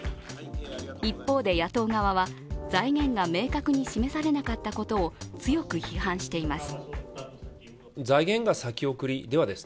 一方で、野党側は財源が明確に示されなかったことを強く批判しています。